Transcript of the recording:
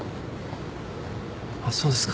あっそうですか。